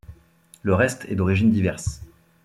Le reste est d'origine diverse.